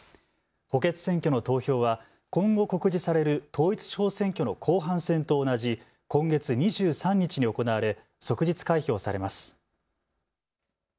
補欠選挙の投票は今後告示される統一地方選挙の後半戦と同じ今月２３日に行われ即日開票されます。